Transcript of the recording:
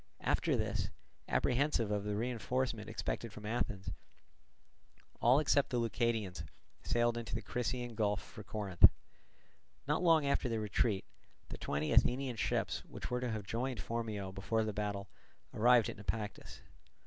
After this, apprehensive of the reinforcement expected from Athens, all except the Leucadians sailed into the Crissaean Gulf for Corinth. Not long after their retreat, the twenty Athenian ships, which were to have joined Phormio before the battle, arrived at Naupactus.